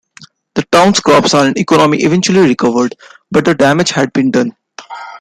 The town's crops and economy eventually recovered, but the damage had been done.